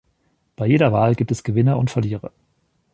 Bei jeder Wahl gibt es Gewinner und Verlierer.